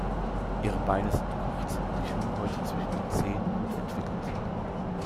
Ihre Beine sind kurz, die Schwimmhäute zwischen den Zehen gut entwickelt.